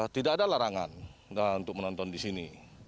tidak ada larangan untuk menonton di sini